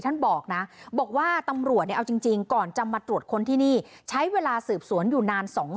ท่านบอกนะบอกว่าตำรวจเนี่ยเอาจริง